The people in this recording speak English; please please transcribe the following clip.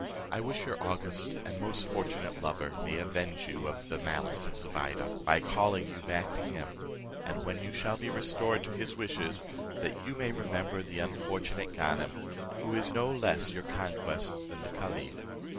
I wish your august and most fortunate lover may avenge you of the malice of Zobeide, by calling you back to him; and when you shall be restored to his wishes, that you may remember the unfortunate Ganem, who is no less your conquest than the caliph.